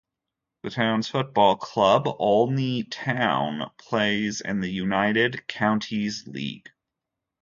The town's football club, Olney Town, plays in the United Counties League.